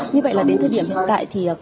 như vậy là đến thời điểm hiện tại thì